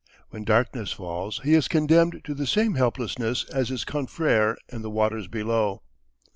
When darkness falls he is condemned to the same helplessness as his confrere in the waters below.